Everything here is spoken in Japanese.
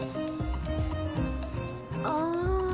ああ。